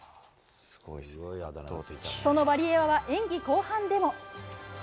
そのワリエワは演技後半でも。